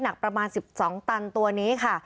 หนักประมาณ๑๒ตันตัวนี้ค่ะ